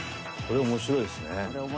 これ面白いですね。